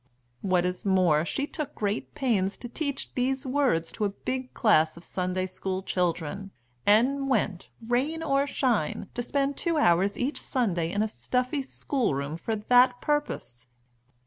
What is more, she took great pains to teach these words to a big class of Sunday School children, and went, rain or shine, to spend two hours each Sunday in a stuffy school room for that purpose.